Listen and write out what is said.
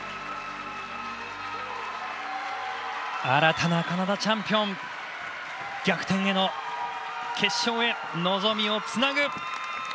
新たなカナダチャンピオン逆転での決勝へ、望みをつなぐ。